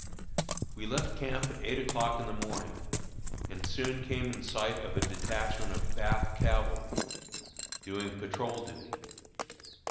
We left camp at eight o'clock in the morning, and soon came in sight of a detachment of Bath Cavalry, doing patrol duty.